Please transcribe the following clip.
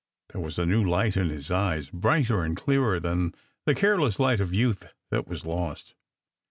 There was a new light in his eyes, brighter and clearer than the careless light of youth that was lost.